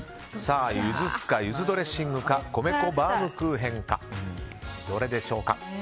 ゆず酢か、ゆずドレッシングか米粉バウムクーヘンかどれでしょうか。